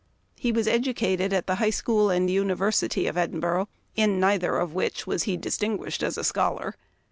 He was educated at the High School and University of Edinburgh, in neither of which was he distinguished as a scholar.